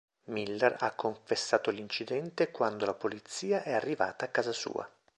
Miller ha confessato l'incidente quando la polizia è arrivata a casa sua.